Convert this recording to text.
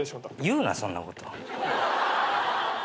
言うなそんなこと。